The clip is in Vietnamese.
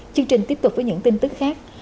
chương trình tiếp tục với những tin tức khác